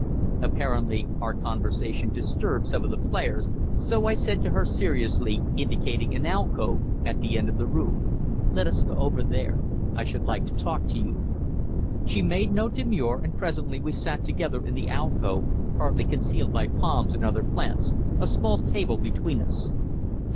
Apparently our conversation disturbed some of the players, so I said to her seriously, indicating an alcove at the end of the room: "Let us go over there. I should like to talk to you." She made no demur, and presently we sat together in the alcove, partly concealed by palms and other plants, a small table between us.